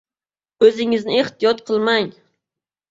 O‘zingizni ehtiyot qilmang!